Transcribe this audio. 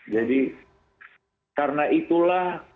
jadi karena itulah